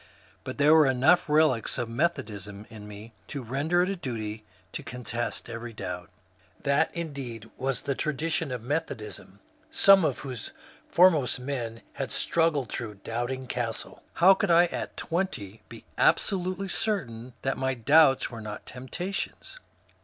But there were enough relics of Methodism in me to render it a duty to contest every doubt. That indeed was the tradition of Methodism, some of whose foremost men had struggled through Doubting Castle. How could I at twenty be absolutely certain that my doubts were not temp tations